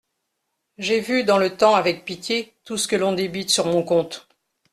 J'ai vu dans le temps avec pitié tout ce que l'on débite sur mon compte.